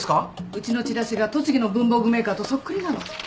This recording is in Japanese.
うちのチラシが栃木の文房具メーカーとそっくりなの。